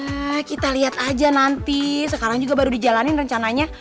nah kita lihat aja nanti sekarang juga baru dijalanin rencananya